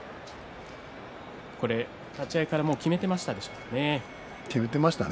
立ち合いから決めていましたかね。